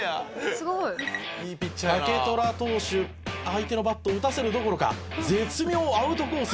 「タケトラ投手相手のバットを打たせるどころか絶妙アウトコース